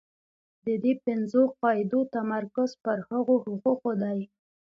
د دې پنځو قاعدو تمرکز پر هغو حقوقو دی.